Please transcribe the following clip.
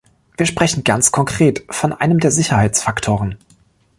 Wir sprechen ganz konkret von einem der Sicherheitsfaktoren.